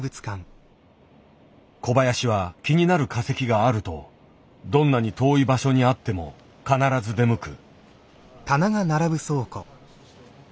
小林は気になる化石があるとどんなに遠い場所にあっても必ず出向く。